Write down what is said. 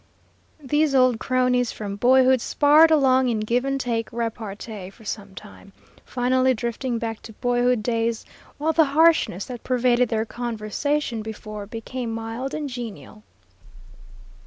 These old cronies from boyhood sparred along in give and take repartee for some time, finally drifting back to boyhood days, while the harshness that pervaded their conversation before became mild and genial.